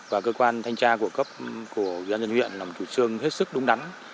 và cơ quan thanh tra của cấp của viên dân huyện là một chủ trương hết sức đúng đắn